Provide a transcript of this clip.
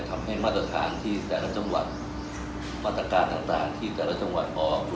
ทำให้มาตรฐานที่แต่ละจังหวัดมาตรการต่างที่แต่ละจังหวัดออก